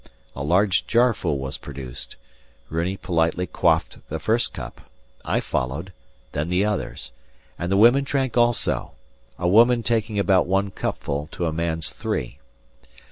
A large jarful was produced; Runi politely quaffed the first cup; I followed; then the others; and the women drank also, a woman taking about one cupful to a man's three.